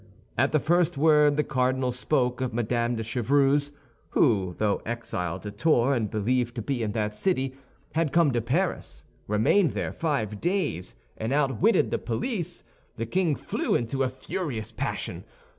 At the first word the cardinal spoke of Mme. de Chevreuse—who, though exiled to Tours and believed to be in that city, had come to Paris, remained there five days, and outwitted the police—the king flew into a furious passion.